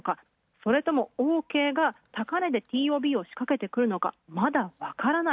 それともオーケーが高値でＴＯＢを仕掛けてくるのかがわからない。